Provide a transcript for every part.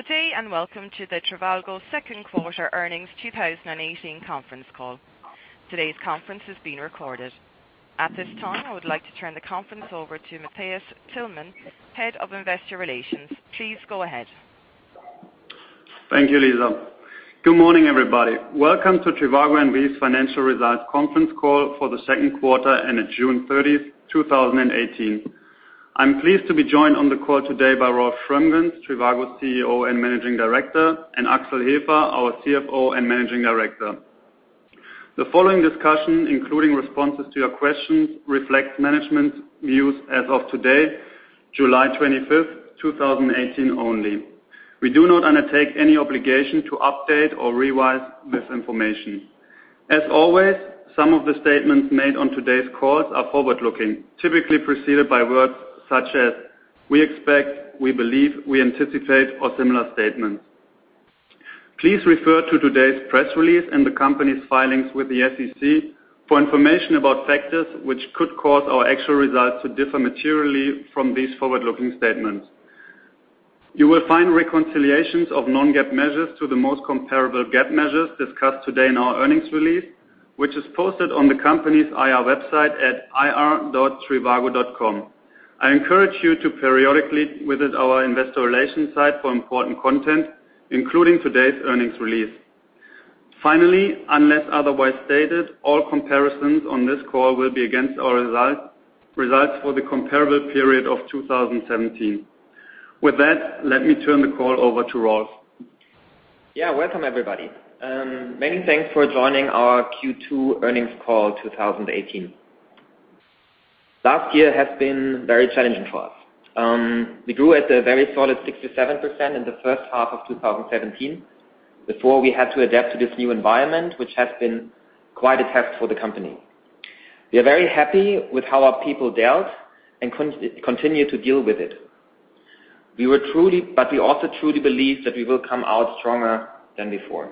Good day. Welcome to the trivago second quarter earnings 2018 conference call. Today's conference is being recorded. At this time, I would like to turn the conference over to Matthias Tillmann, Head of Investor Relations. Please go ahead. Thank you, Lisa. Good morning, everybody. Welcome to trivago's financial results conference call for the second quarter and at June 30, 2018. I am pleased to be joined on the call today by Rolf Schrömgens, trivago's CEO and Managing Director, and Axel Hefer, our CFO and Managing Director. The following discussion, including responses to your questions, reflects management views as of today, July 25, 2018 only. We do not undertake any obligation to update or revise this information. As always, some of the statements made on today's call are forward-looking, typically preceded by words such as "we expect," "we believe," "we anticipate," or similar statements. Please refer to today's press release and the company's filings with the SEC for information about factors which could cause our actual results to differ materially from these forward-looking statements. You will find reconciliations of non-GAAP measures to the most comparable GAAP measures discussed today in our earnings release, which is posted on the company's IR website at ir.trivago.com. I encourage you to periodically visit our investor relations site for important content, including today's earnings release. Finally, unless otherwise stated, all comparisons on this call will be against our results for the comparable period of 2017. With that, let me turn the call over to Rolf. Welcome, everybody. Many thanks for joining our Q2 earnings call 2018. Last year has been very challenging for us. We grew at a very solid 67% in the first half of 2017 before we had to adapt to this new environment, which has been quite a test for the company. We are very happy with how our people dealt and continue to deal with it. We also truly believe that we will come out stronger than before.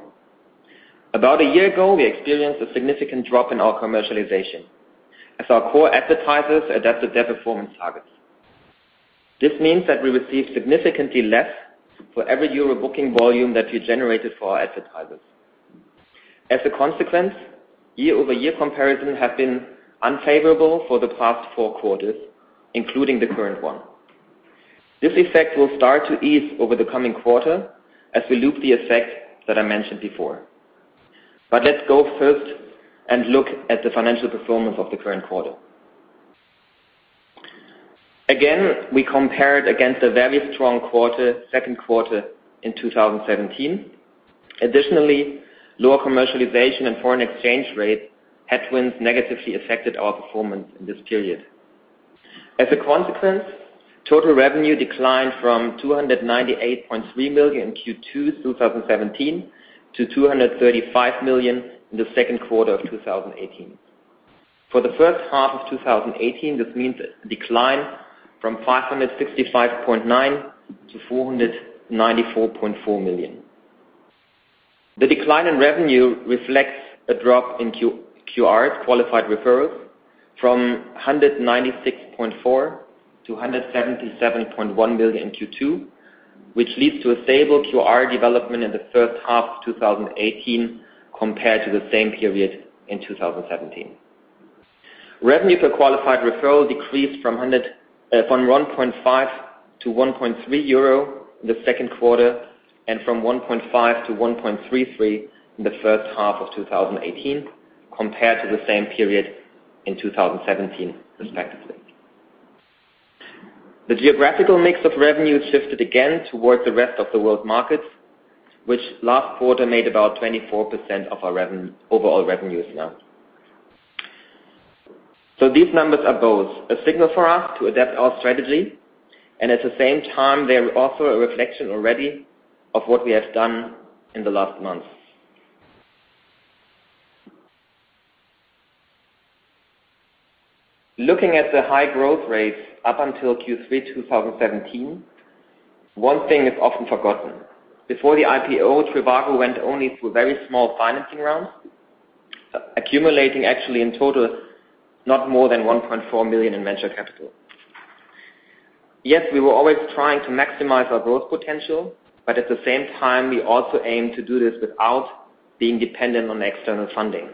About a year ago, we experienced a significant drop in our commercialization as our core advertisers adapted their performance targets. This means that we received significantly less for every EUR booking volume that we generated for our advertisers. As a consequence, year-over-year comparisons have been unfavorable for the past four quarters, including the current one. This effect will start to ease over the coming quarter as we loop the effect that I mentioned before. Let's go first and look at the financial performance of the current quarter. Again, we compared against a very strong second quarter in 2017. Additionally, lower commercialization and foreign exchange rate headwinds negatively affected our performance in this period. As a consequence, total revenue declined from 298.3 million in Q2 2017 to 235 million in the second quarter of 2018. For the first half of 2018, this means a decline from 565.9 million to 494.4 million. The decline in revenue reflects a drop in QRs, Qualified Referrals, from 196.4 million to 177.1 million in Q2, which leads to a stable QR development in the first half of 2018 compared to the same period in 2017. Revenue per Qualified Referral decreased from 1.5 to 1.3 euro in the second quarter and from 1.5 to 1.33 in the first half of 2018 compared to the same period in 2017 respectively. The geographical mix of revenue shifted again towards the rest of the world markets, which last quarter made about 24% of our overall revenues now. These numbers are both a signal for us to adapt our strategy and at the same time, they are also a reflection already of what we have done in the last months. Looking at the high growth rates up until Q3 2017, one thing is often forgotten. Before the IPO, trivago went only through very small financing rounds, accumulating actually in total not more than 1.4 million in venture capital. Yes, we were always trying to maximize our growth potential, but at the same time, we also aimed to do this without being dependent on external funding.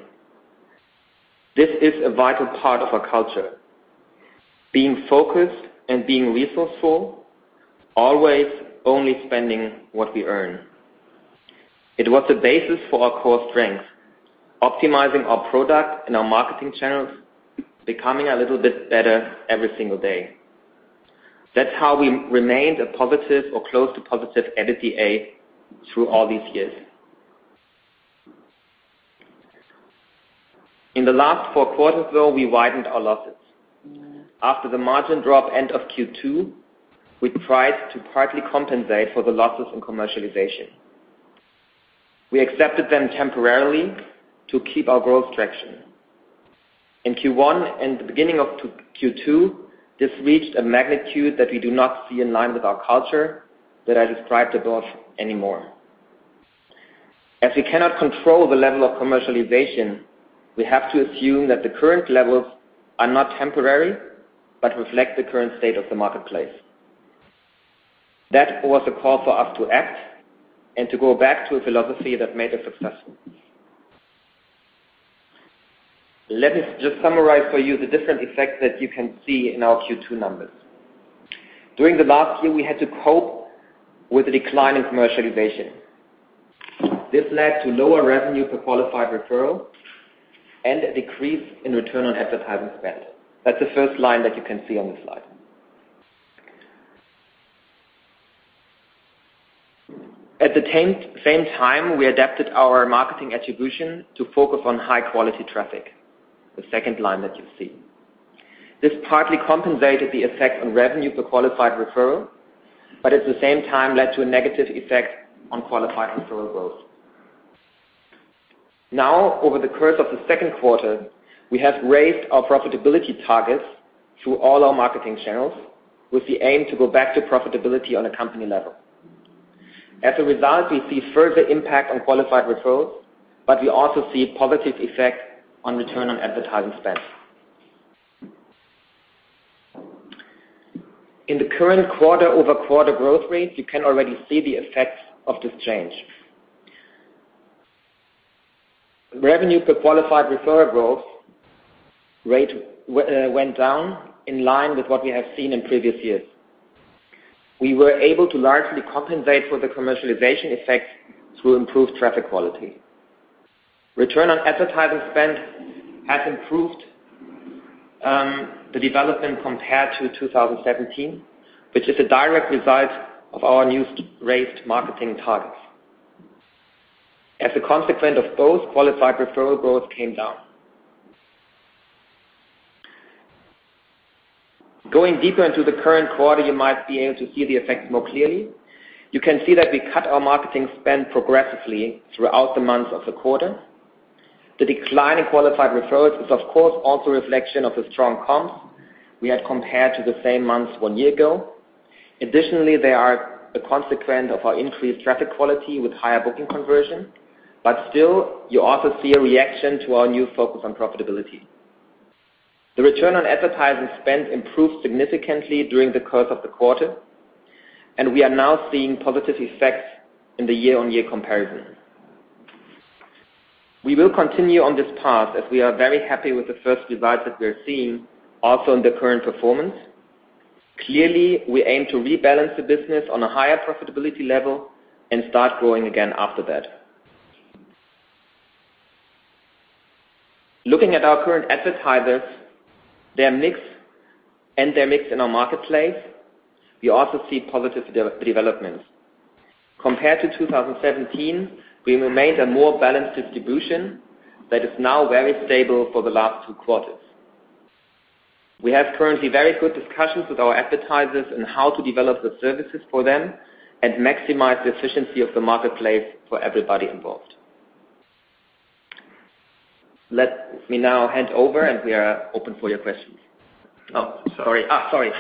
This is a vital part of our culture, being focused and being resourceful, always only spending what we earn. It was the basis for our core strength, optimizing our product and our marketing channels, becoming a little bit better every single day. That's how we remained a positive or close to positive EBITDA through all these years. In the last four quarters, though, we widened our losses. After the margin drop end of Q2, we tried to partly compensate for the losses in commercialization. We accepted them temporarily to keep our growth traction. In Q1 and the beginning of Q2, this reached a magnitude that we do not see in line with our culture that I described above anymore. As we cannot control the level of commercialization, we have to assume that the current levels are not temporary, but reflect the current state of the marketplace. That was a call for us to act and to go back to a philosophy that made us successful. Let me just summarize for you the different effects that you can see in our Q2 numbers. During the last year, we had to cope with the decline in commercialization. This led to lower revenue per Qualified Referral and a decrease in return on advertising spend. That's the first line that you can see on the slide. At the same time, we adapted our marketing attribution to focus on high-quality traffic, the second line that you see. This partly compensated the effect on revenue per Qualified Referral, but at the same time led to a negative effect on Qualified Referral growth. Over the course of the second quarter, we have raised our profitability targets through all our marketing channels with the aim to go back to profitability on a company level. As a result, we see further impact on qualified referrals, but we also see a positive effect on return on advertising spend. In the current quarter-over-quarter growth rate, you can already see the effects of this change. Revenue per qualified referral growth rate went down in line with what we have seen in previous years. We were able to largely compensate for the commercialization effects through improved traffic quality. Return on advertising spend has improved, the development compared to 2017, which is a direct result of our new raised marketing targets. As a consequence of both, qualified referral growth came down. Going deeper into the current quarter, you might be able to see the effect more clearly. You can see that we cut our marketing spend progressively throughout the months of the quarter. The decline in qualified referrals is, of course, also a reflection of the strong comps we had compared to the same months one year ago. Additionally, they are a consequence of our increased traffic quality with higher booking conversion. Still, you also see a reaction to our new focus on profitability. The return on advertising spend improved significantly during the course of the quarter, and we are now seeing positive effects in the year-on-year comparison. We will continue on this path as we are very happy with the first results that we're seeing also in the current performance. Clearly, we aim to rebalance the business on a higher profitability level and start growing again after that. Looking at our current advertisers, their mix, and their mix in our marketplace, we also see positive developments. Compared to 2017, we remained a more balanced distribution that is now very stable for the last two quarters. We have currently very good discussions with our advertisers on how to develop the services for them and maximize the efficiency of the marketplace for everybody involved. Let me now hand over, we are open for your questions. Sorry. Sorry.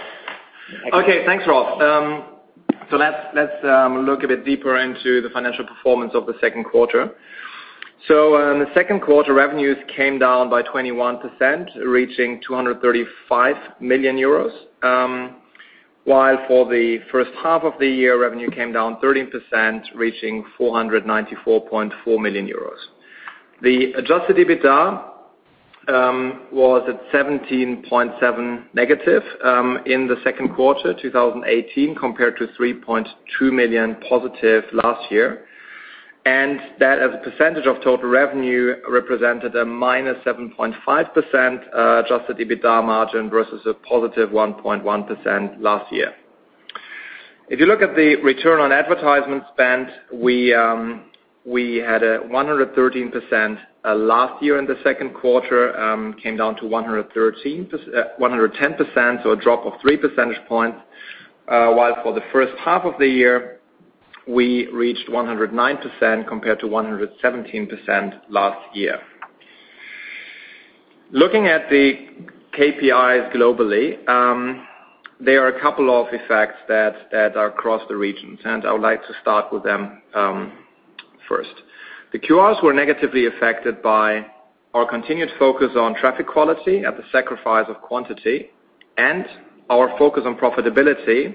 Okay. Thanks, Rolf. Let's look a bit deeper into the financial performance of the second quarter. In the second quarter, revenues came down by 21%, reaching 235 million euros. While for the first half of the year, revenue came down 13%, reaching 494.4 million euros. The adjusted EBITDA was at 17.7 million negative in the second quarter 2018 compared to 3.2 million positive last year. That as a percentage of total revenue, represented a minus 7.5% adjusted EBITDA margin versus a positive 1.1% last year. If you look at the return on advertisement spend, we had a 113% last year in the second quarter, came down to 110%, so a drop of 3 percentage points. While for the first half of the year, we reached 109% compared to 117% last year. Looking at the KPIs globally, there are a couple of effects that are across the regions. I would like to start with them first. The QRs were negatively affected by our continued focus on traffic quality at the sacrifice of quantity, our focus on profitability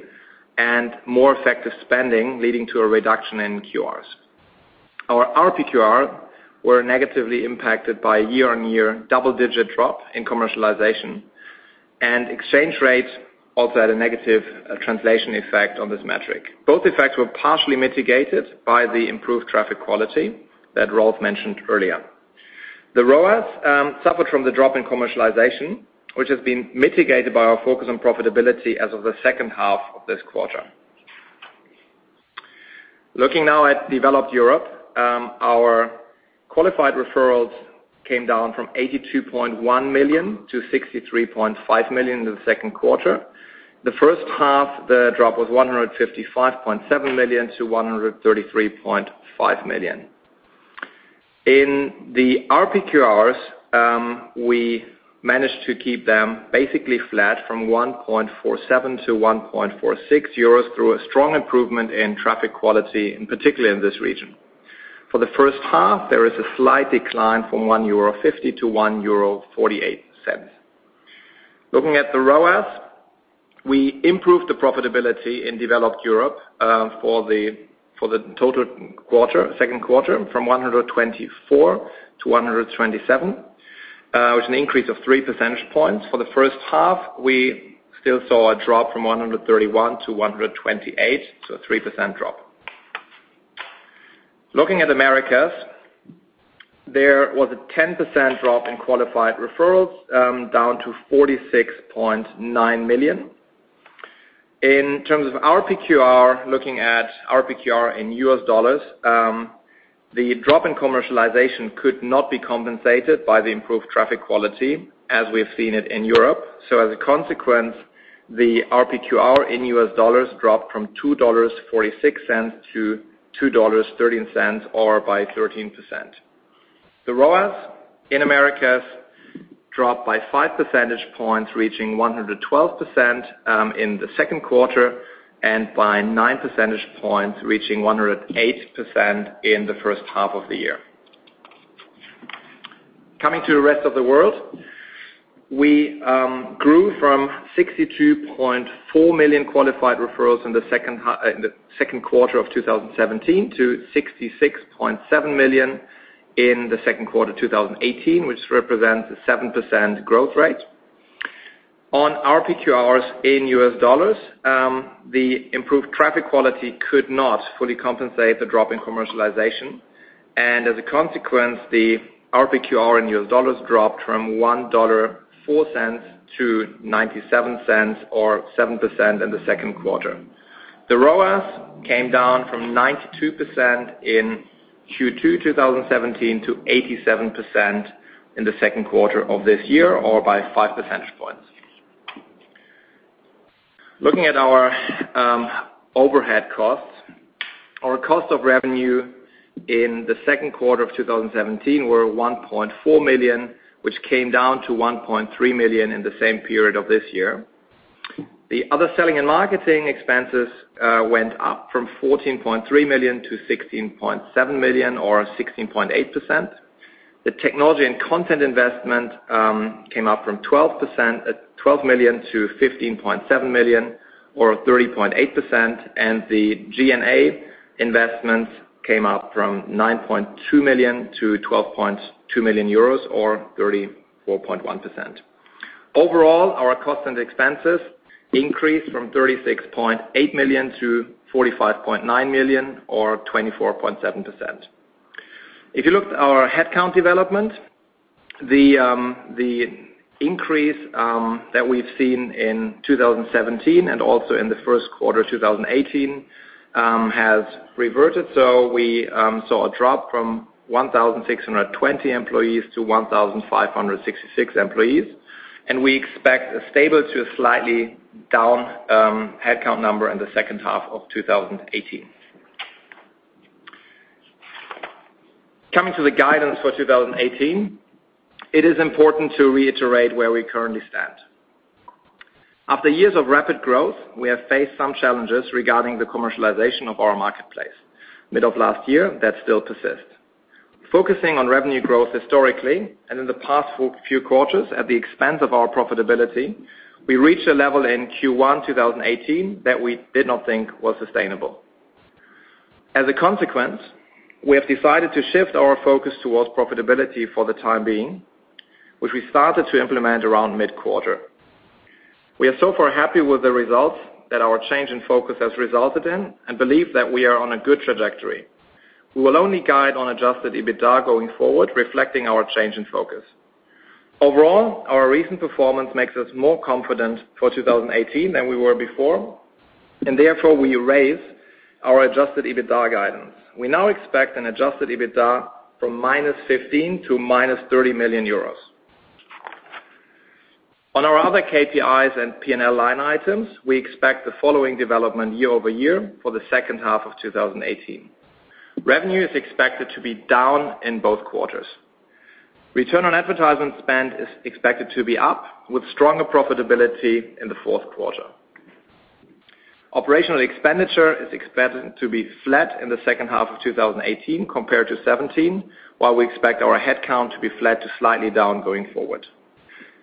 and more effective spending, leading to a reduction in QRs. Our RPQR were negatively impacted by year-on-year double-digit drop in commercialization. Exchange rates also had a negative translation effect on this metric. Both effects were partially mitigated by the improved traffic quality that Rolf mentioned earlier. The ROAS suffered from the drop in commercialization, which has been mitigated by our focus on profitability as of the second half of this quarter. Looking now at developed Europe, our qualified referrals came down from 82.1 million to 63.5 million in the second quarter. The first half, the drop was 155.7 million to 133.5 million. In the RPQRs, we managed to keep them basically flat from 1.47 to 1.46 euros through a strong improvement in traffic quality, particularly in this region. For the first half, there is a slight decline from 1.50 euro to 1.48 euro. Looking at the ROAS, we improved the profitability in developed Europe, for the total second quarter, from 124% to 127%, which is an increase of 3 percentage points. For the first half, we still saw a drop from 131% to 128%, so a 3% drop. Looking at Americas, there was a 10% drop in qualified referrals, down to 46.9 million. In terms of RPQR, looking at RPQR in US dollars, the drop in commercialization could not be compensated by the improved traffic quality as we've seen it in Europe. As a consequence, the RPQR in US dollars dropped from $2.46 to $2.13, or by 13%. The ROAS in Americas dropped by 5 percentage points, reaching 112% in the second quarter. By 9 percentage points, reaching 108% in the first half of the year. Coming to the rest of the world, we grew from 62.4 million qualified referrals in the second quarter of 2017 to 66.7 million in the second quarter 2018, which represents a 7% growth rate. On RPQRs in US dollars, the improved traffic quality could not fully compensate the drop in commercialization. As a consequence, the RPQR in US dollars dropped from $1.04 to $0.97 or 7% in the second quarter. The ROAS came down from 92% in Q2 2017 to 87% in the second quarter of this year, or by 5 percentage points. Looking at our overhead costs, our cost of revenue in the second quarter of 2017 were 1.4 million, which came down to 1.3 million in the same period of this year. The other selling and marketing expenses went up from 14.3 million to 16.7 million, or 16.8%. The technology and content investment came up from 12 million to 15.7 million, or 30.8%, and the G&A investments came up from 9.2 million to 12.2 million euros, or 34.1%. Overall, our costs and expenses increased from 36.8 million to 45.9 million, or 24.7%. If you looked at our headcount development, the increase that we've seen in 2017 and also in the first quarter 2018, has reverted. We saw a drop from 1,620 employees to 1,566 employees, and we expect a stable to a slightly down headcount number in the second half of 2018. Coming to the guidance for 2018, it is important to reiterate where we currently stand. After years of rapid growth, we have faced some challenges regarding the commercialization of our marketplace mid of last year that still persist. Focusing on revenue growth historically and in the past few quarters at the expense of our profitability, we reached a level in Q1 2018 that we did not think was sustainable. As a consequence, we have decided to shift our focus towards profitability for the time being, which we started to implement around mid-quarter. We are so far happy with the results that our change in focus has resulted in and believe that we are on a good trajectory. We will only guide on adjusted EBITDA going forward, reflecting our change in focus. Overall, our recent performance makes us more confident for 2018 than we were before, therefore, we raise our adjusted EBITDA guidance. We now expect an adjusted EBITDA from -15 million to -30 million euros. On our other KPIs and P&L line items, we expect the following development year-over-year for the second half of 2018. Revenue is expected to be down in both quarters. Return on advertisement spend is expected to be up, with stronger profitability in the fourth quarter. Operational expenditure is expected to be flat in the second half of 2018 compared to 2017, while we expect our headcount to be flat to slightly down going forward.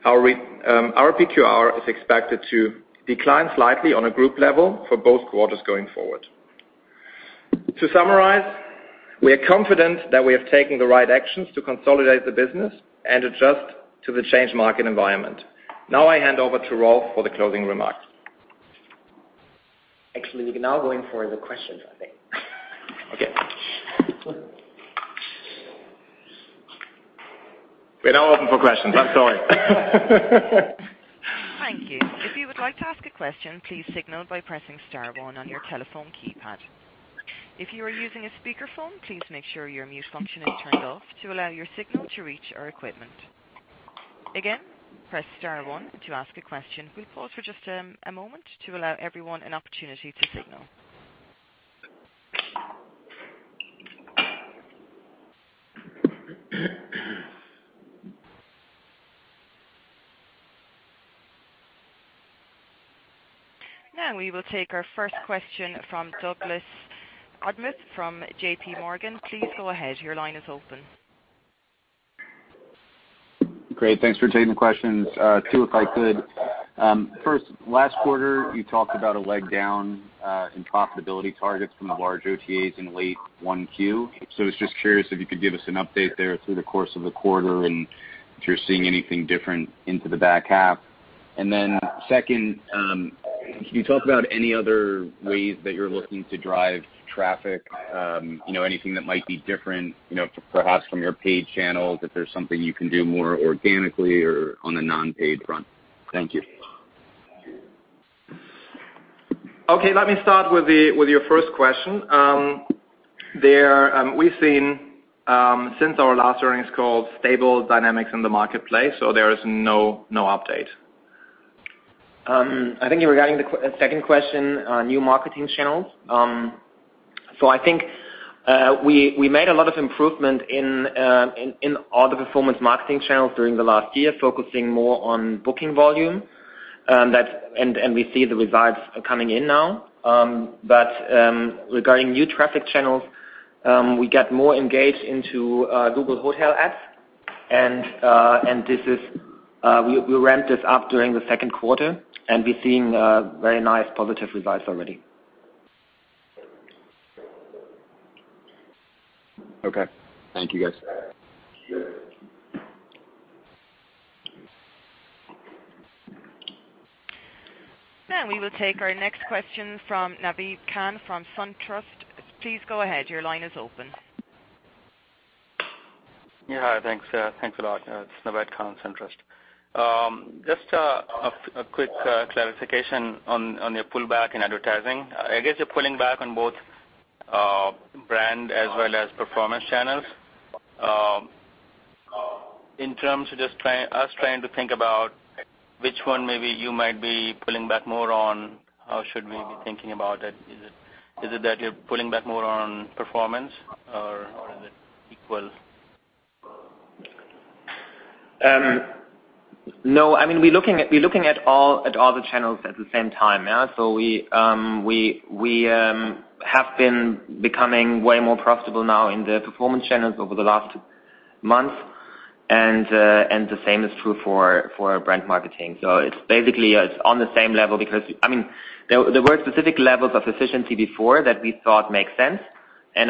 Our RPQR is expected to decline slightly on a group level for both quarters going forward. To summarize, we are confident that we have taken the right actions to consolidate the business and adjust to the changed market environment. I hand over to Rolf for the closing remarks. Actually, we can now go in for the questions, I think. Okay. We're now open for questions. I'm sorry. Thank you. If you would like to ask a question, please signal by pressing star one on your telephone keypad. If you are using a speakerphone, please make sure your mute function is turned off to allow your signal to reach our equipment. Again, press star one to ask a question. We'll pause for just a moment to allow everyone an opportunity to signal. Now we will take our first question from Douglas Anmuth from JPMorgan. Please go ahead. Your line is open. Great. Thanks for taking the questions. Two, if I could. First, last quarter, you talked about a leg down in profitability targets from the large OTAs in late 1 Q. I was just curious if you could give us an update there through the course of the quarter, and if you're seeing anything different into the back half. Second, can you talk about any other ways that you're looking to drive traffic? Anything that might be different perhaps from your paid channels, if there's something you can do more organically or on a non-paid front. Thank you. Okay. Let me start with your first question. We've seen, since our last earnings call, stable dynamics in the marketplace, so there is no update. I think you were regarding the second question, new marketing channels. I think we made a lot of improvement in all the performance marketing channels during the last year, focusing more on booking volume, and we see the results coming in now. Regarding new traffic channels, we get more engaged into Google Hotel Ads. We ramped this up during the second quarter, and we're seeing very nice positive results already. Okay. Thank you, guys. Now, we will take our next question from Naved Khan from SunTrust. Please go ahead. Your line is open. Yeah. Hi, thanks. Thanks a lot. It's Naved Khan, SunTrust Robinson Humphrey. Just a quick clarification on your pullback in advertising. I guess you're pulling back on both brand as well as performance channels. In terms of just us trying to think about which one maybe you might be pulling back more on, how should we be thinking about it? Is it that you're pulling back more on performance or is it equal? No, we're looking at all the channels at the same time. We have been becoming way more profitable now in the performance channels over the last month, and the same is true for our brand marketing. It's basically on the same level because there were specific levels of efficiency before that we thought makes sense. You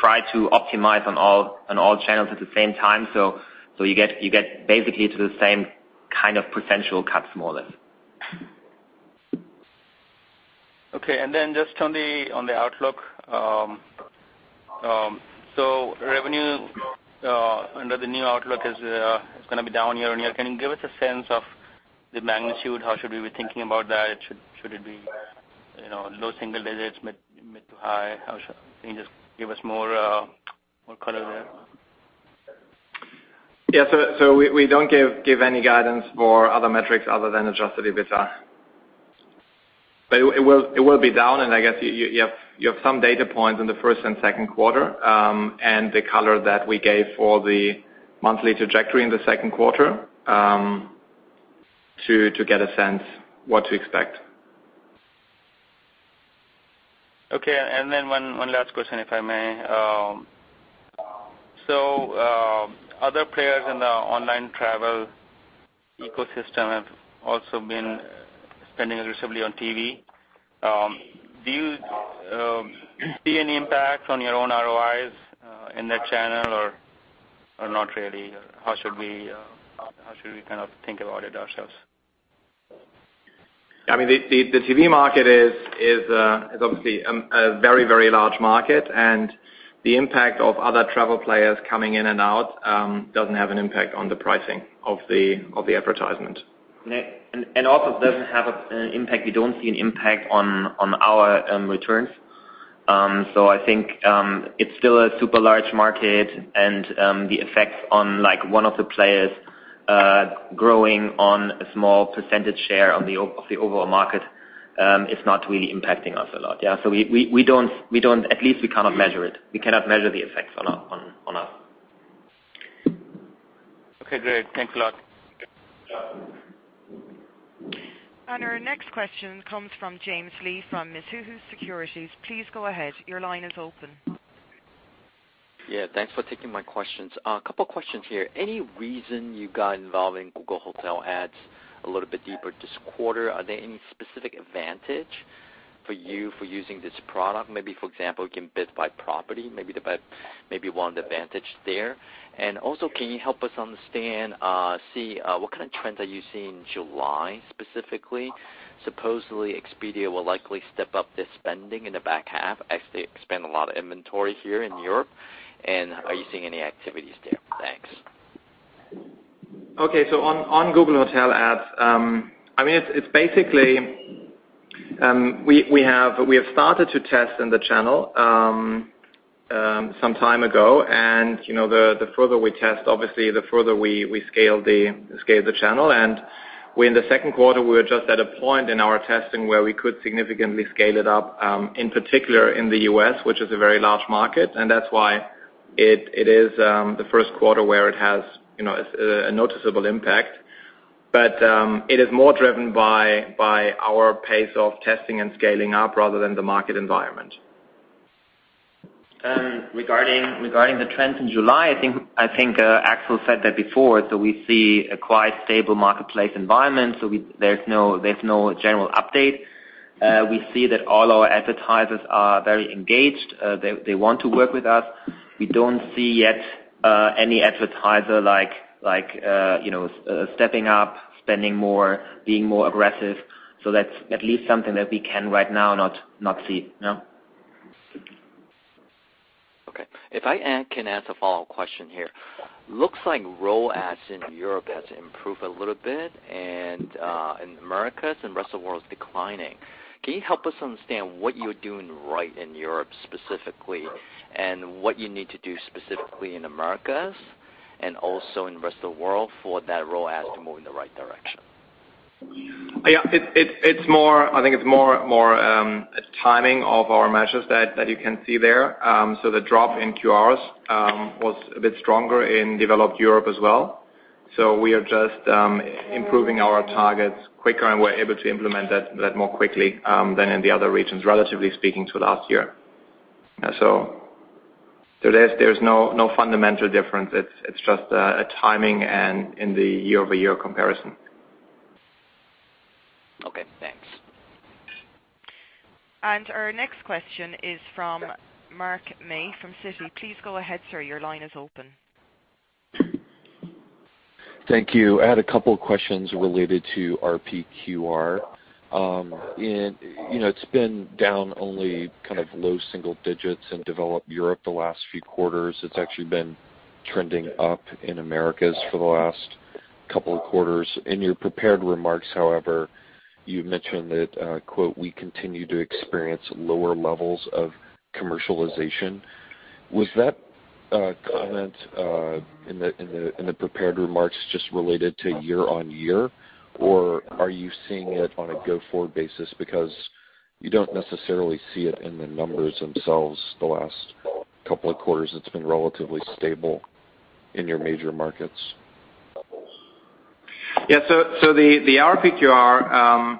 try to optimize on all channels at the same time, you get basically to the same kind of potential cut more or less. Okay. Just on the outlook. Revenue under the new outlook is going to be down year-over-year. Can you give us a sense of the magnitude? How should we be thinking about that? Should it be low single digits, mid to high? Can you just give us more color there? Yeah. We don't give any guidance for other metrics other than adjusted EBITDA. It will be down, and I guess you have some data points in the first and second quarter, and the color that we gave for the monthly trajectory in the second quarter, to get a sense what to expect. Okay. One last question, if I may. Other players in the online travel ecosystem have also been spending aggressively on TV. Do you see any impact on your own ROIs in that channel or not really? How should we think about it ourselves? The TV market is obviously a very large market. The impact of other travel players coming in and out doesn't have an impact on the pricing of the advertisement. It doesn't have an impact, we don't see an impact on our returns. I think, it's still a super large market and the effects on one of the players growing on a small percentage share of the overall market is not really impacting us a lot. Yeah. At least we cannot measure it. We cannot measure the effects on us. Okay, great. Thanks a lot. Our next question comes from James Lee from Mizuho Securities. Please go ahead. Your line is open. Yeah, thanks for taking my questions. A couple questions here. Any reason you got involved in Google Hotel Ads a little bit deeper this quarter? Are there any specific advantage for you for using this product? Maybe, for example, you can bid by property, maybe one advantage there. Also, can you help us understand, see what kind of trends are you seeing in July specifically? Supposedly, Expedia will likely step up their spending in the back half as they spend a lot of inventory here in Europe. Are you seeing any activities there? Thanks. Okay. On Google Hotel Ads, we have started to test in the channel some time ago. The further we test, obviously, the further we scale the channel. In the second quarter, we were just at a point in our testing where we could significantly scale it up, in particular in the U.S., which is a very large market, and that's why it is the first quarter where it has a noticeable impact. It is more driven by our pace of testing and scaling up rather than the market environment. Regarding the trends in July, I think Axel said that before. We see a quite stable marketplace environment, so there's no general update. We see that all our advertisers are very engaged. They want to work with us. We don't see yet any advertiser stepping up, spending more, being more aggressive. That's at least something that we can right now not see. No. Okay. If I can ask a follow-up question here. Looks like ROAS in Europe has improved a little bit, and in Americas and rest of world's declining. Can you help us understand what you're doing right in Europe specifically, and what you need to do specifically in Americas and also in rest of the world for that ROAS to move in the right direction? Yeah. I think it's more timing of our measures that you can see there. The drop in QRs was a bit stronger in developed Europe as well. We are just improving our targets quicker, and we're able to implement that more quickly than in the other regions, relatively speaking, to last year. There's no fundamental difference. It's just a timing and in the year-over-year comparison. Okay, thanks. Our next question is from Mark May from Citi. Please go ahead, sir. Your line is open. Thank you. I had a couple questions related to RPQR. It's been down only low single digits in developed Europe the last few quarters. It's actually been trending up in Americas for the last couple of quarters. In your prepared remarks, however, you mentioned that, quote, "We continue to experience lower levels of commercialization." Was that comment in the prepared remarks just related to year-on-year, or are you seeing it on a go-forward basis? Because you don't necessarily see it in the numbers themselves the last couple of quarters. It's been relatively stable in your major markets. Yeah. The RPQR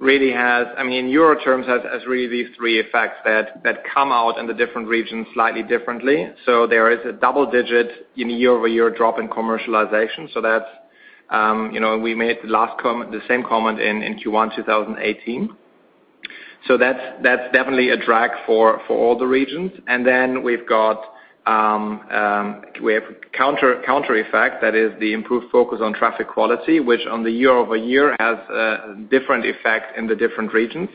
really has, in EUR terms, has really these three effects that come out in the different regions slightly differently. There is a double digit year-over-year drop in commercialization. We made the same comment in Q1 2018. That's definitely a drag for all the regions. We have countereffect, that is the improved focus on traffic quality, which on the year-over-year has a different effect in the different regions.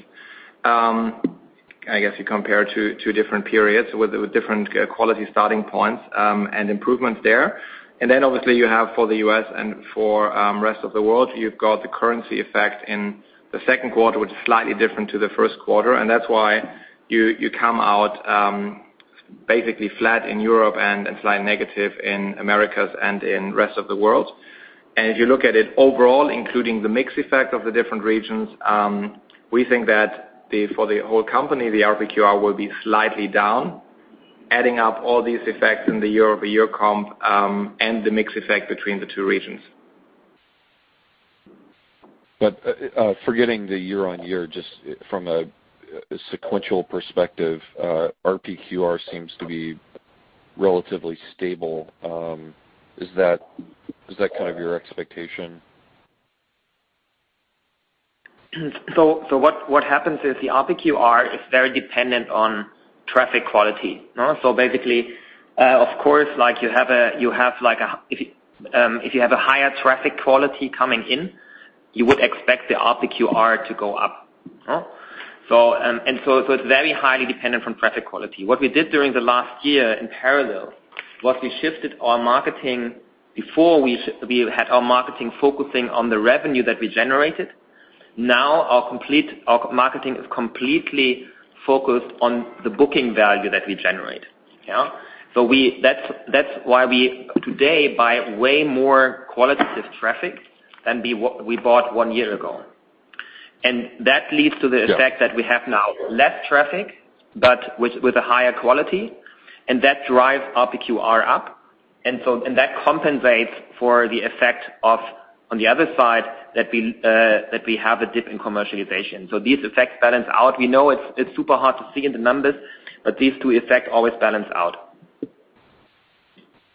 I guess you compare two different periods with different quality starting points and improvements there. Obviously, you have for the U.S. and for rest of the world, you've got the currency effect in the second quarter, which is slightly different to the first quarter, and that's why you come out basically flat in Europe and slightly negative in Americas and in rest of the world. If you look at it overall, including the mix effect of the different regions, we think that for the whole company, the RPQR will be slightly down, adding up all these effects in the year-over-year comp, and the mix effect between the two regions. Forgetting the year-on-year, just from a sequential perspective, RPQR seems to be relatively stable. Is that your expectation? What happens is the RPQR is very dependent on traffic quality. Basically, of course, if you have a higher traffic quality coming in, you would expect the RPQR to go up. It's very highly dependent from traffic quality. What we did during the last year in parallel was we shifted our marketing. Before, we had our marketing focusing on the revenue that we generated. Now our marketing is completely focused on the booking value that we generate. That's why we today buy way more qualitative traffic than we bought one year ago. That leads to the effect that we have now less traffic, but with a higher quality, and that drives RPQR up. That compensates for the effect of, on the other side, that we have a dip in commercialization. These effects balance out. We know it's super hard to see in the numbers, but these two effects always balance out.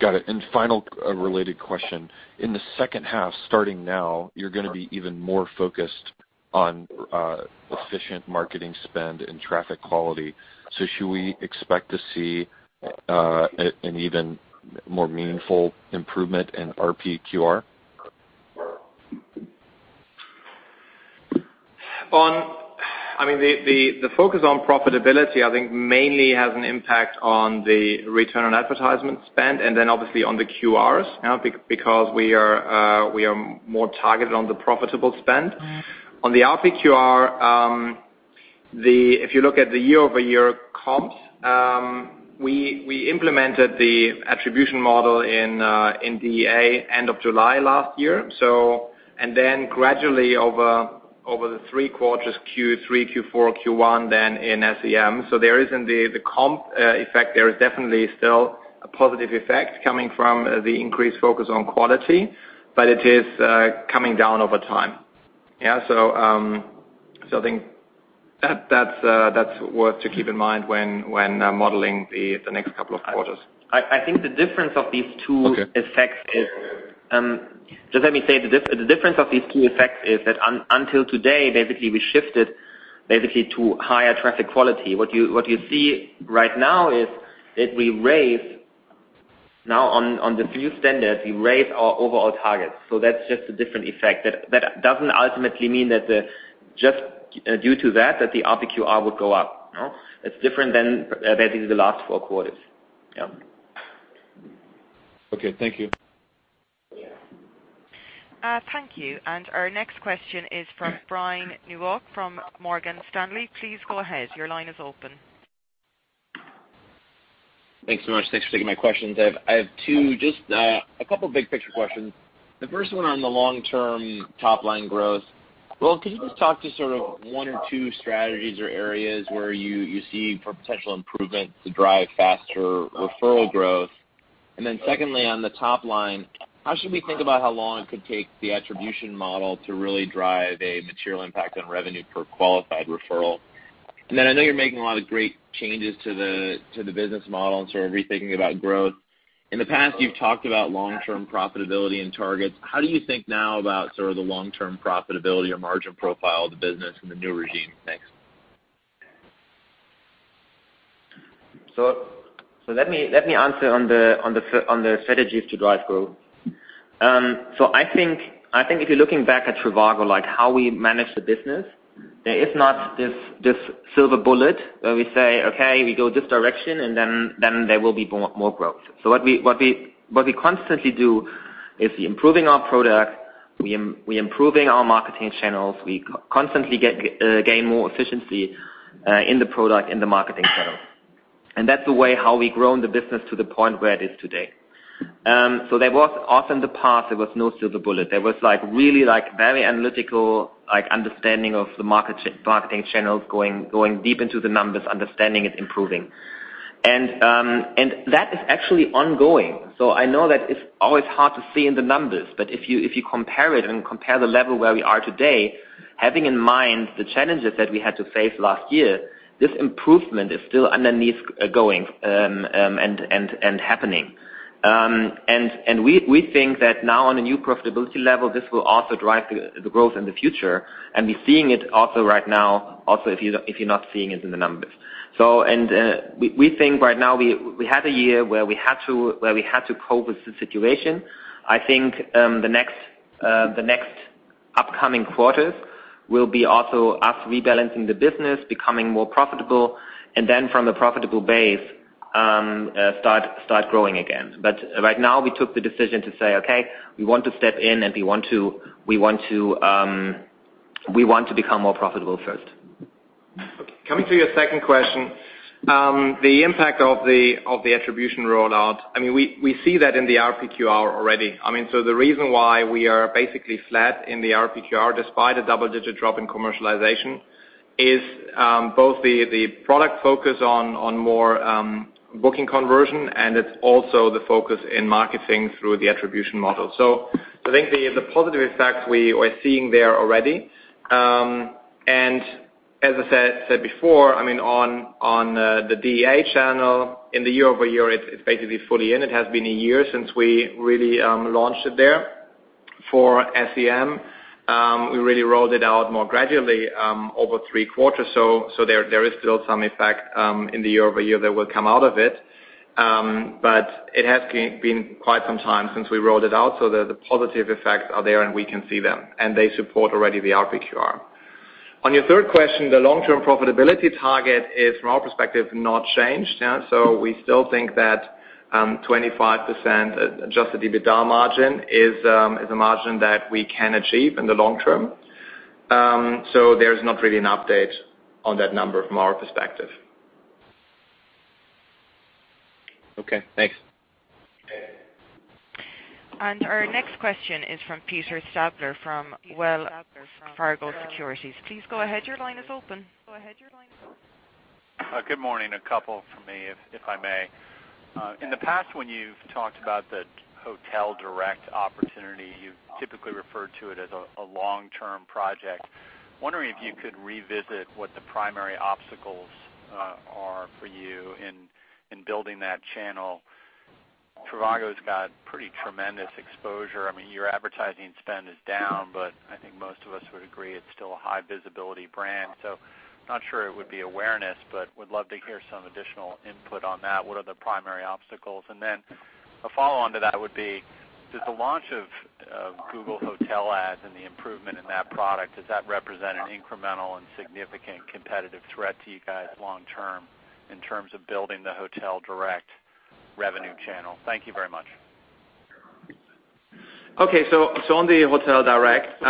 Got it. Final related question. In the second half, starting now, you're going to be even more focused on efficient marketing spend and traffic quality. Should we expect to see an even more meaningful improvement in RPQR? The focus on profitability, I think, mainly has an impact on the return on advertisement spend, and then obviously on the QRs, because we are more targeted on the profitable spend. On the RPQR, if you look at the year-over-year comps, we implemented the attribution model in DEA end of July last year. Then gradually over the three quarters, Q3, Q4, Q1, then in SEM. There is indeed the comp effect. There is definitely still a positive effect coming from the increased focus on quality, but it is coming down over time. I think that's worth to keep in mind when modeling the next couple of quarters. I think the difference of these two effects is. Okay. Just let me say, the difference of these two effects is that until today, basically we shifted to higher traffic quality. What you see right now is that we raise, now on the few standards, we raise our overall targets. That's just a different effect. That doesn't ultimately mean that just due to that the RPQR would go up. It's different than basically the last four quarters. Yeah. Okay. Thank you. Thank you. Our next question is from Brian Nowak from Morgan Stanley. Please go ahead. Your line is open. Thanks so much. Thanks for taking my questions. I have two, just a couple big-picture questions. The first one on the long-term top-line growth. Will, could you just talk to sort of one or two strategies or areas where you see potential improvements to drive faster referral growth? Secondly, on the top line, how should we think about how long it could take the attribution model to really drive a material impact on revenue per Qualified Referral? I know you're making a lot of great changes to the business model and sort of rethinking about growth. In the past, you've talked about long-term profitability and targets. How do you think now about sort of the long-term profitability or margin profile of the business in the new regime? Thanks. Let me answer on the strategies to drive growth. I think if you're looking back at trivago, like how we manage the business, there is not this silver bullet where we say, "Okay, we go this direction, and then there will be more growth." What we constantly do is improving our product, we improving our marketing channels. We constantly gain more efficiency in the product and the marketing channels. That's the way how we've grown the business to the point where it is today. There was, often the past, there was no silver bullet. There was really very analytical understanding of the marketing channels, going deep into the numbers, understanding it, improving. That is actually ongoing. I know that it's always hard to see in the numbers, but if you compare it and compare the level where we are today, having in mind the challenges that we had to face last year, this improvement is still underneath going and happening. We think that now on a new profitability level, this will also drive the growth in the future. We're seeing it also right now, also if you're not seeing it in the numbers. We think right now, we had a year where we had to cope with the situation. I think the next upcoming quarters will be also us rebalancing the business, becoming more profitable, and then from the profitable base, start growing again. Right now, we took the decision to say, "Okay, we want to step in, and we want to become more profitable first. Coming to your second question, the impact of the attribution rollout, we see that in the RPQR already. The reason why we are basically flat in the RPQR despite a double-digit drop in commercialization is both the product focus on more booking conversion, and it's also the focus in marketing through the attribution model. I think the positive effect we are seeing there already, and as I said before, on the DEA channel in the year-over-year, it's basically fully in. It has been a year since we really launched it there for SEM. We really rolled it out more gradually, over three quarters. There is still some effect in the year-over-year that will come out of it. It has been quite some time since we rolled it out, the positive effects are there, and we can see them, and they support already the RPQR. On your third question, the long-term profitability target is, from our perspective, not changed. We still think that 25% adjusted EBITDA margin is a margin that we can achieve in the long term. There's not really an update on that number from our perspective. Okay, thanks. Our next question is from Peter Stabler from Wells Fargo Securities. Please go ahead, your line is open. Good morning. A couple from me, if I may. In the past, when you've talked about the Hotel Direct opportunity, you've typically referred to it as a long-term project. Wondering if you could revisit what the primary obstacles are for you in building that channel. trivago's got pretty tremendous exposure. Your advertising spend is down, but I think most of us would agree it's still a high visibility product. Not sure it would be awareness, but would love to hear some additional input on that. What are the primary obstacles? Then a follow-on to that would be, does the launch of Google Hotel Ads and the improvement in that product, does that represent an incremental and significant competitive threat to you guys long term in terms of building the Hotel Direct revenue channel? Thank you very much. Okay. On the Hotel Direct.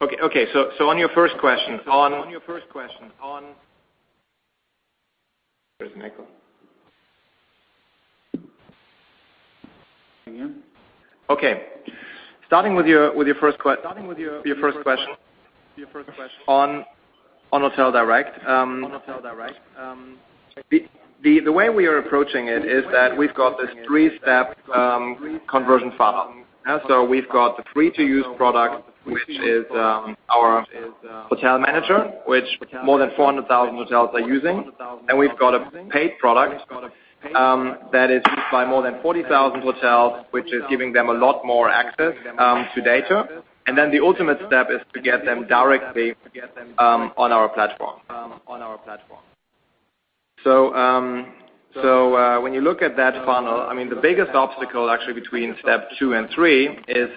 Okay. On your first question, there's an echo. Again. Okay. Starting with your first question. Starting with your first question on Hotel Direct. The way we are approaching it is that we've got this three-step conversion funnel. We've got the free-to-use product, which is our Hotel Manager, which more than 400,000 hotels are using, and we've got a paid product that is used by more than 40,000 hotels, which is giving them a lot more access to data. The ultimate step is to get them directly on our platform. When you look at that funnel, the biggest obstacle, actually, between step 2 and 3 is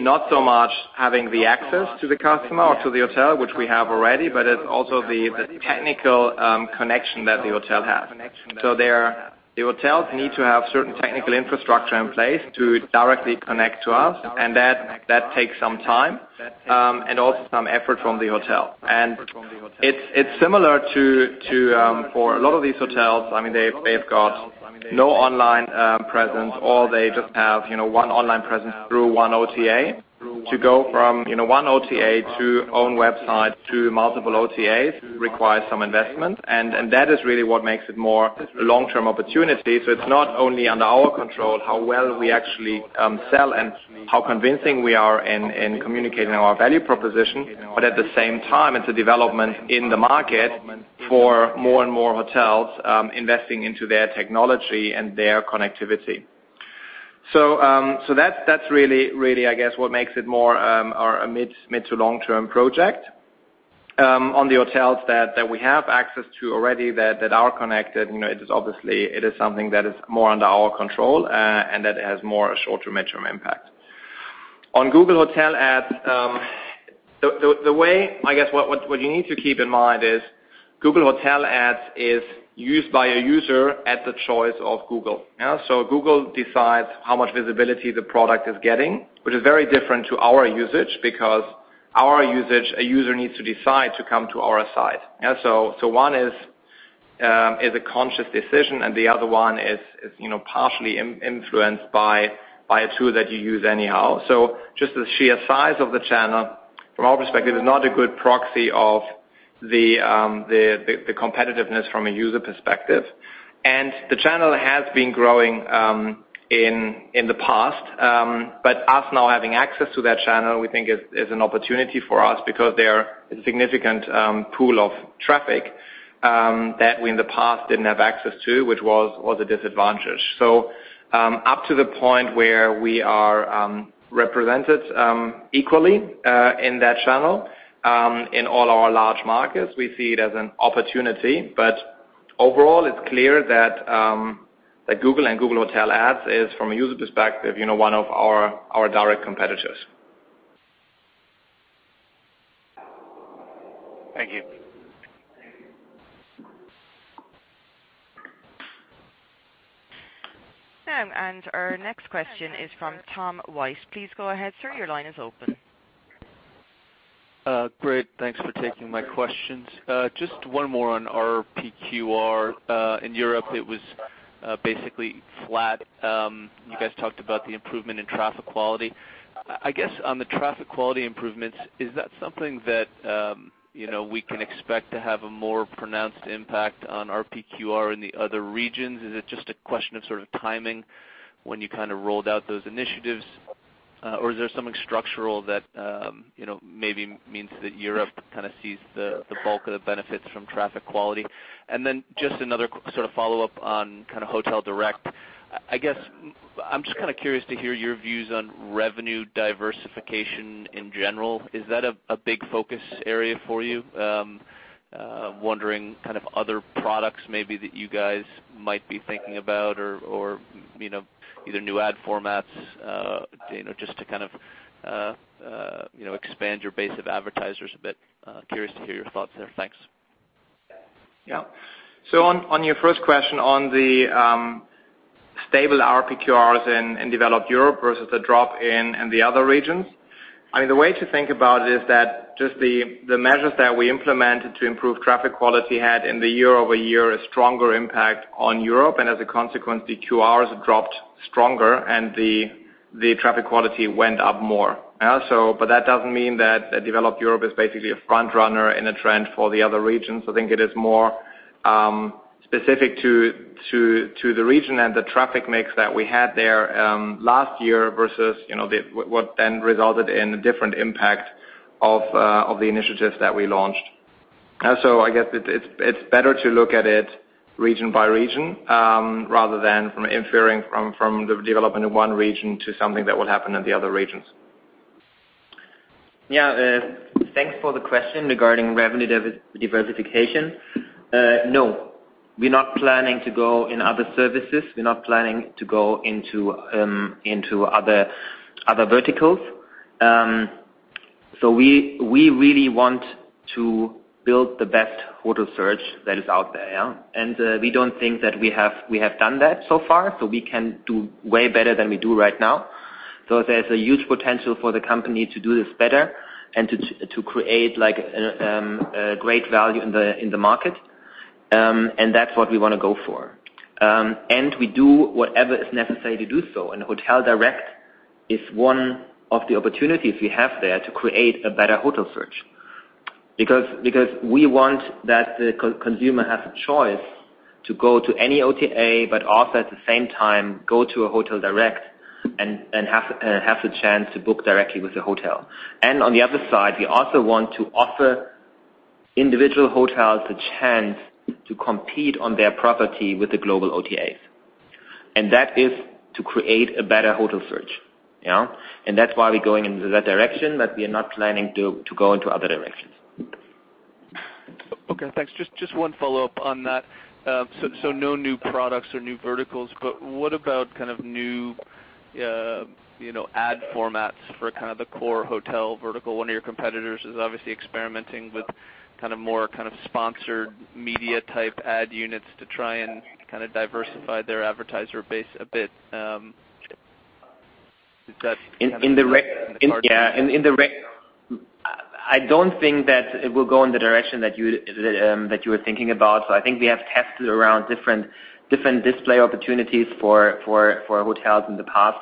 not so much having the access to the customer or to the hotel, which we have already, but it's also the technical connection that the hotel has. The hotels need to have certain technical infrastructure in place to directly connect to us, and that takes some time, and also some effort from the hotel. It's similar to, for a lot of these hotels, they've got no online presence, or they just have one online presence through one OTA. To go from one OTA to own website to multiple OTAs requires some investment. That is really what makes it more a long-term opportunity. It's not only under our control how well we actually sell and how convincing we are in communicating our value proposition, but at the same time, it's a development in the market for more and more hotels investing into their technology and their connectivity. That's really, I guess, what makes it more a mid to long-term project. On the hotels that we have access to already, that are connected, it is obviously something that is more under our control, and that has more short to mid-term impact. On Google Hotel Ads, the way, I guess, what you need to keep in mind is Google Hotel Ads is used by a user at the choice of Google. Google decides how much visibility the product is getting, which is very different to our usage, because our usage, a user needs to decide to come to our site. One is a conscious decision, and the other one is partially influenced by a tool that you use anyhow. Just the sheer size of the channel from our perspective, is not a good proxy of the competitiveness from a user perspective. The channel has been growing in the past, but us now having access to that channel, we think is an opportunity for us because they are a significant pool of traffic that we, in the past, didn't have access to, which was a disadvantage. Up to the point where we are represented equally in that channel in all our large markets, we see it as an opportunity, but overall, it's clear that Google and Google Hotel Ads is, from a user perspective, one of our direct competitors. Thank you. Our next question is from Tom White. Please go ahead, sir. Your line is open. Great. Thanks for taking my questions. Just one more on RPQR. In Europe, it was basically flat. You guys talked about the improvement in traffic quality. I guess, on the traffic quality improvements, is that something that we can expect to have a more pronounced impact on RPQR in the other regions? Is it just a question of sort of timing when you rolled out those initiatives? Or is there something structural that maybe means that Europe kind of sees the bulk of the benefits from traffic quality? Then just another follow-up on Hotel Direct. I guess I'm just curious to hear your views on revenue diversification in general. Is that a big focus area for you? I'm wondering other products maybe that you guys might be thinking about or either new ad formats, just to expand your base of advertisers a bit. Curious to hear your thoughts there. Thanks. Yeah. On your first question, on the stable RPQRs in developed Europe versus the drop in the other regions. The way to think about it is that just the measures that we implemented to improve traffic quality had, in the year-over-year, a stronger impact on Europe, and as a consequence, the QRs dropped stronger and the traffic quality went up more. That doesn't mean that developed Europe is basically a frontrunner in a trend for the other regions. I think it is more specific to the region and the traffic mix that we had there last year versus what then resulted in a different impact of the initiatives that we launched. I guess it's better to look at it region by region, rather than from inferring from the development in one region to something that will happen in the other regions. Thanks for the question regarding revenue diversification. No, we're not planning to go in other services. We're not planning to go into other verticals. We really want to build the best hotel search that is out there. We don't think that we have done that so far, so we can do way better than we do right now. There's a huge potential for the company to do this better and to create great value in the market. That's what we want to go for. We do whatever is necessary to do so, and Hotel Direct is one of the opportunities we have there to create a better hotel search. Because we want that the consumer has a choice to go to any OTA, but also at the same time go to a Hotel Direct and have the chance to book directly with the hotel. On the other side, we also want to offer individual hotels the chance to compete on their property with the global OTAs. That is to create a better hotel search. That's why we're going into that direction, but we are not planning to go into other directions. Okay, thanks. Just one follow-up on that. No new products or new verticals, but what about kind of new ad formats for kind of the core hotel vertical? One of your competitors is obviously experimenting with more kind of sponsored media type ad units to try and kind of diversify their advertiser base a bit. I don't think that it will go in the direction that you were thinking about. I think we have tested around different display opportunities for hotels in the past,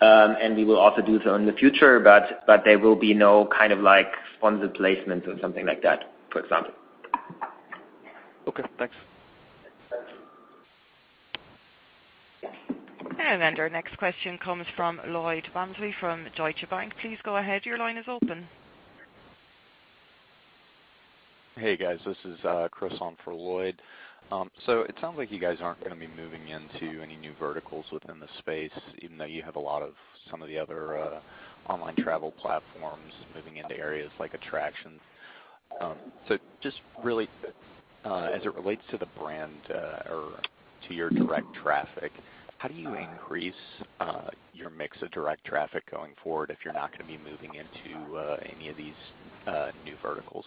and we will also do so in the future, but there will be no kind of sponsored placement or something like that, for example. Okay, thanks. Our next question comes from Lloyd Walmsley from Deutsche Bank. Please go ahead. Your line is open. Hey, guys. This is Chris on for Lloyd. It sounds like you guys aren't going to be moving into any new verticals within the space, even though you have a lot of some of the other online travel platforms moving into areas like attraction. Just really, as it relates to the brand or to your direct traffic, how do you increase your mix of direct traffic going forward if you're not going to be moving into any of these new verticals?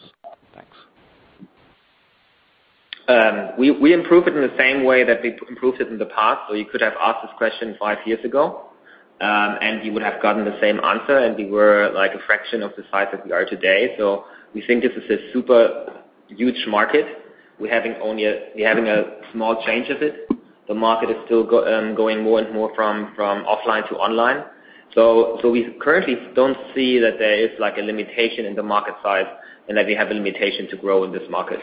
Thanks. We improve it in the same way that we improved it in the past. You could have asked this question five years ago, and you would have gotten the same answer, and we were a fraction of the size that we are today. We think this is a super huge market. We're having a small share of it. The market is still going more and more from offline to online. We currently don't see that there is a limitation in the market size and that we have a limitation to grow in this market.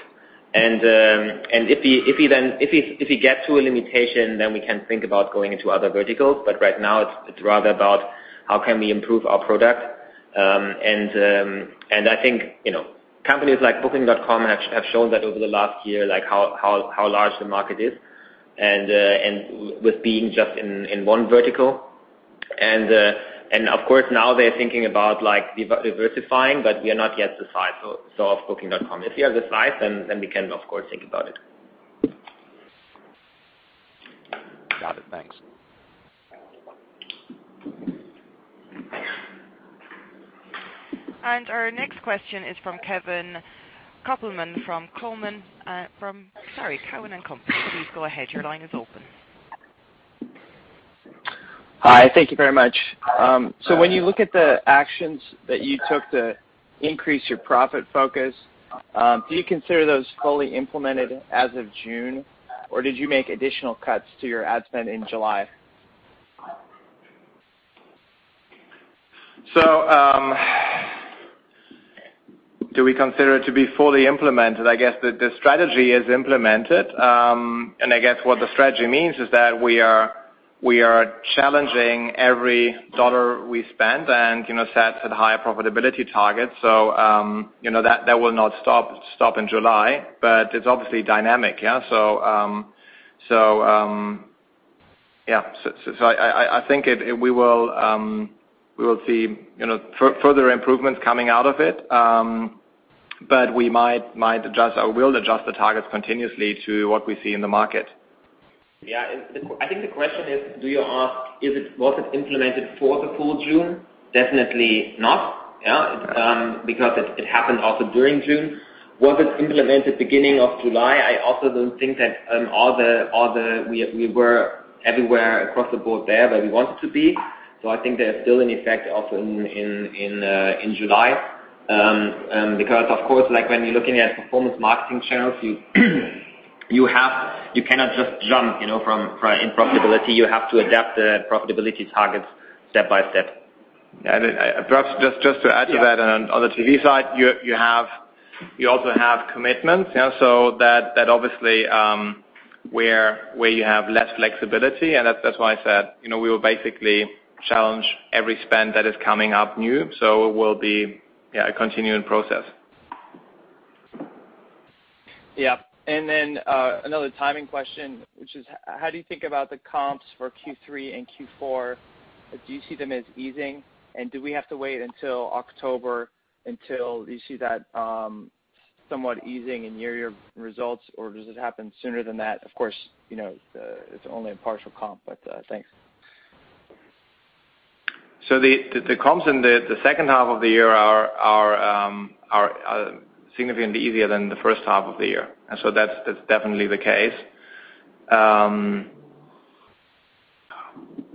If we get to a limitation, we can think about going into other verticals. Right now, it's rather about how can we improve our product. I think companies like Booking.com have shown that over the last year how large the market is and with being just in one vertical. Of course, now they're thinking about diversifying, but we are not yet the size of Booking.com. If we are the size, we can, of course, think about it. Got it. Thanks. Our next question is from Kevin Kopelman from Cowen and Company. Please go ahead. Your line is open. Hi. Thank you very much. When you look at the actions that you took to increase your profit focus, do you consider those fully implemented as of June, or did you make additional cuts to your ad spend in July? Do we consider it to be fully implemented? I guess the strategy is implemented. I guess what the strategy means is that we are challenging every dollar we spend and set at higher profitability targets. That will not stop in July, but it's obviously dynamic. I think we will see further improvements coming out of it, but we might adjust, or will adjust the targets continuously to what we see in the market. Yeah. I think the question is, do you ask was it implemented for the full June? Definitely not. Because it happened also during June. Was it implemented beginning of July? I also don't think that we were everywhere across the board there where we wanted to be. I think there's still an effect also in July. Because of course, when you're looking at performance marketing channels, you cannot just jump in profitability. You have to adapt the profitability targets step by step. Perhaps just to add to that, on the TV side, you also have commitments. That obviously- Where you have less flexibility. That's why I said we will basically challenge every spend that is coming up new. It will be a continuing process. Yeah. Another timing question, which is: how do you think about the comps for Q3 and Q4? Do you see them as easing? Do we have to wait until October until you see that somewhat easing in year-over-year results, or does it happen sooner than that? Of course, it's only a partial comp, thanks. The comps in the second half of the year are significantly easier than the first half of the year. That's definitely the case.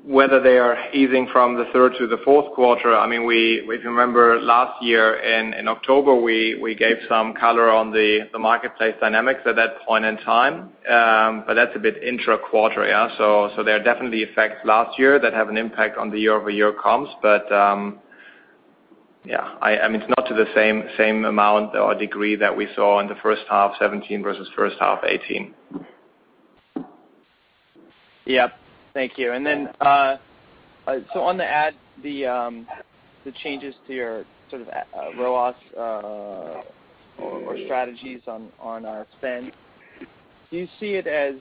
Whether they are easing from the third to the fourth quarter. If you remember last year in October, we gave some color on the marketplace dynamics at that point in time. That's a bit intra-quarter. There are definitely effects last year that have an impact on the year-over-year comps. It's not to the same amount or degree that we saw in the first half 2017 versus first half 2018. Yep. Thank you. On the ad, the changes to your sort of ROAS or strategies on our spend. Do you see it as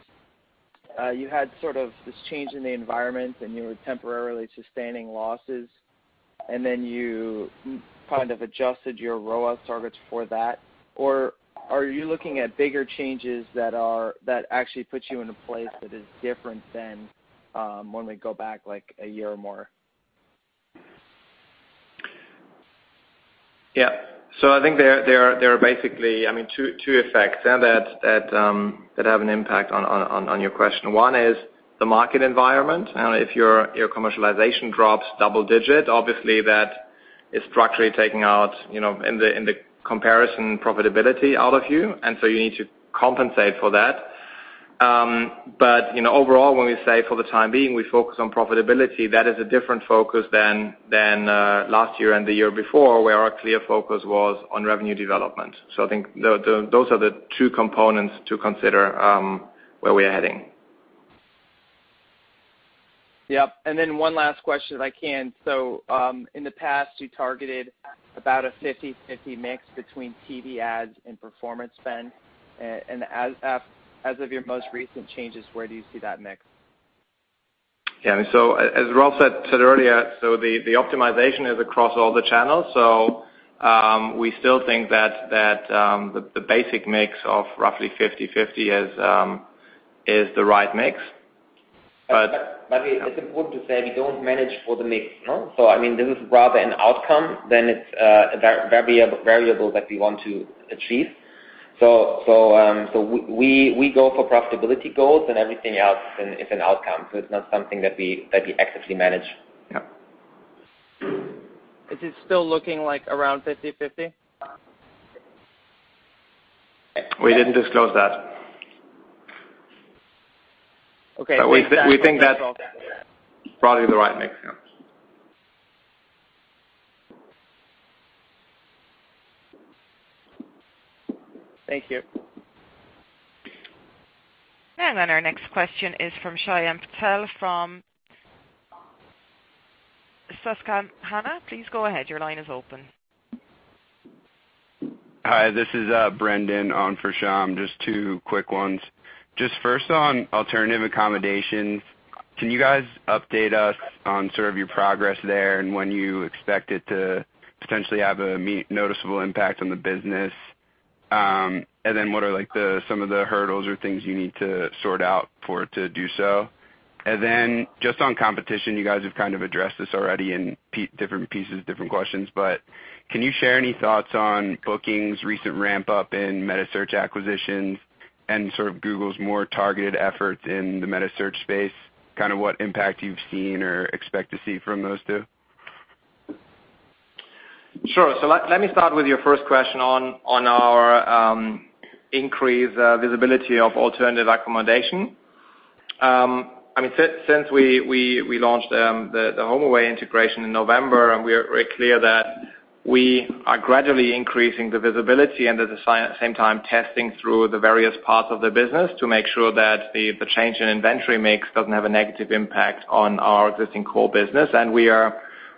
you had sort of this change in the environment and you were temporarily sustaining losses, and then you kind of adjusted your ROAS targets for that? Or are you looking at bigger changes that actually put you in a place that is different than when we go back like a year or more? Yeah. I think there are basically two effects there that have an impact on your question. One is the market environment, and if your commercialization drops double-digit, obviously that is structurally taking out in the comparison profitability out of you. You need to compensate for that. Overall, when we say for the time being, we focus on profitability, that is a different focus than last year and the year before, where our clear focus was on revenue development. I think those are the two components to consider where we are heading. Yep. One last question, if I can. In the past you targeted about a 50/50 mix between TV ads and performance spend. As of your most recent changes, where do you see that mix? Yeah. As Rolf said earlier, the optimization is across all the channels. We still think that the basic mix of roughly 50/50 is the right mix. It's important to say we don't manage for the mix. I mean, this is rather an outcome than it's a variable that we want to achieve. We go for profitability goals and everything else is an outcome. It's not something that we actively manage. Yep. Is it still looking like around 50/50? We didn't disclose that. Okay. We think that's probably the right mix, yeah. Thank you. Our next question is from Shyam Patel from Susquehanna. Please go ahead. Your line is open. Hi, this is Brendan on for Shyam. Just two quick ones. Just first on alternative accommodations. Can you guys update us on sort of your progress there and when you expect it to potentially have a noticeable impact on the business? What are some of the hurdles or things you need to sort out for it to do so? Just on competition, you guys have kind of addressed this already in different pieces, different questions, but can you share any thoughts on Booking's recent ramp-up in metasearch acquisitions and sort of Google's more targeted efforts in the metasearch space? Kind of what impact you've seen or expect to see from those two? Sure. Let me start with your first question on our increased visibility of alternative accommodation. Since we launched the HomeAway integration in November, and we are very clear that we are gradually increasing the visibility and at the same time testing through the various parts of the business to make sure that the change in inventory mix doesn't have a negative impact on our existing core business.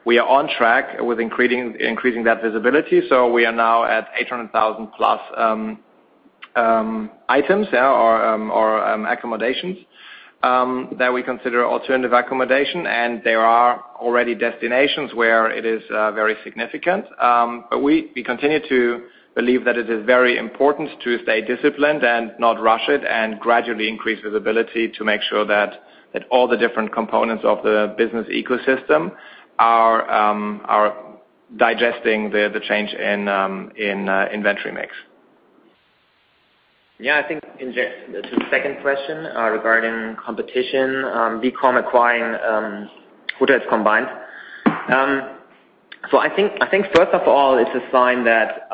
We are on track with increasing that visibility. We are now at 800,000 plus items or accommodations that we consider alternative accommodation. There are already destinations where it is very significant. We continue to believe that it is very important to stay disciplined and not rush it and gradually increase visibility to make sure that all the different components of the business ecosystem are digesting the change in inventory mix. Yeah, I think to the second question regarding competition, Booking acquiring HotelsCombined. I think first of all, it's a sign that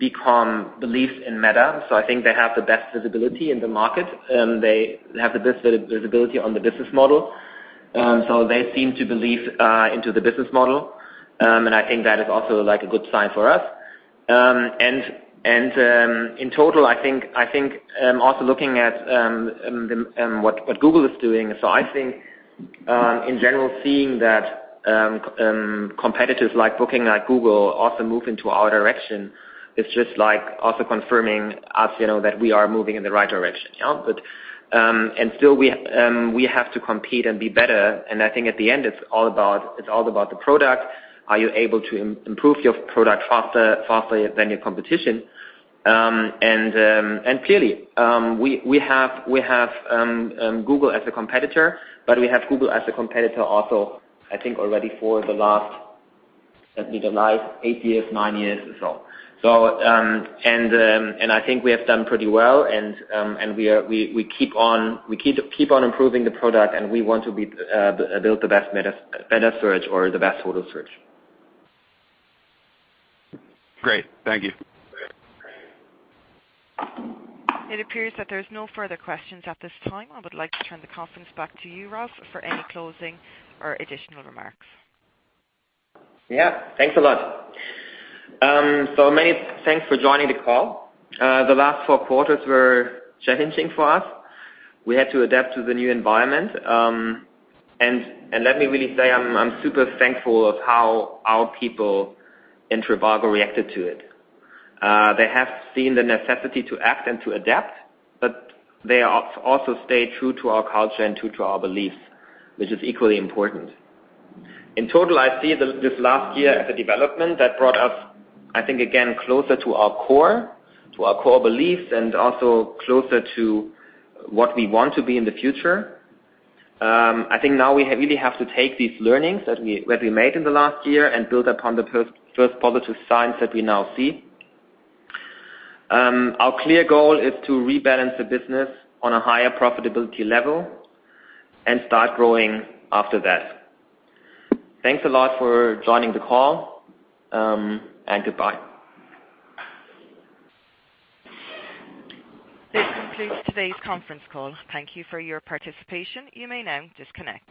Booking believes in meta. I think they have the best visibility in the market, and they have the best visibility on the business model. They seem to believe in the business model, and I think that is also a good sign for us. In total, I think also looking at what Google is doing. I think in general, seeing that competitors like Booking, like Google, also move into our direction, it's just also confirming us, that we are moving in the right direction. Still we have to compete and be better, and I think at the end, it's all about the product. Are you able to improve your product faster than your competition? Clearly, we have Google as a competitor, but we have Google as a competitor also, I think already for the last eight years, nine years or so. I think we have done pretty well, and we keep on improving the product, and we want to build the best metasearch or the best [photo search]. Great. Thank you. It appears that there's no further questions at this time. I would like to turn the conference back to you, Rolf, for any closing or additional remarks. Yeah. Thanks a lot. Many thanks for joining the call. The last four quarters were challenging for us. We had to adapt to the new environment. Let me really say, I'm super thankful of how our people in trivago reacted to it. They have seen the necessity to act and to adapt, but they also stay true to our culture and true to our beliefs, which is equally important. In total, I see this last year as a development that brought us, I think, again, closer to our core beliefs and also closer to what we want to be in the future. I think now we really have to take these learnings that we made in the last year and build upon the first positive signs that we now see. Our clear goal is to rebalance the business on a higher profitability level and start growing after that. Thanks a lot for joining the call, and goodbye. This concludes today's conference call. Thank you for your participation. You may now disconnect.